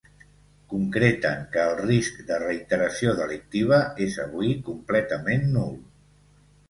Concreten que ‘el risc de reiteració delictiva és avui completament nul’.